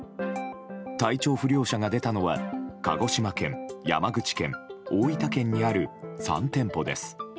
体調不良者が出たのは鹿児島県、山口県、大分県にある３店舗です。